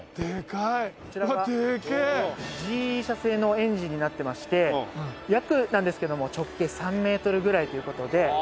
こちらがＧＥ社製のエンジンになってまして約なんですけども直径３メートルぐらいという事で。